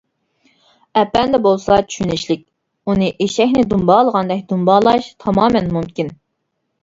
ئەپەندى بولسا چۈشىنىشلىك، ئۇنى ئېشەكنى دۇمبالىغاندەك دۇمبالاش تامامەن مۇمكىن!